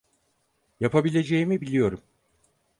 Yapabileceğimi biliyorum.